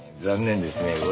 残念ですね。